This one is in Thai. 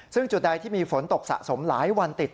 ซึ่งจุดใดที่มีฝนตกสะสมหลายวันติด